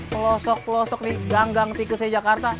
pelosok pelosok nih ganggang tikusnya jakarta